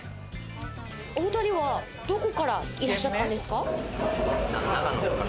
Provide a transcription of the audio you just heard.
お２人はどこからいらっしゃったんですか？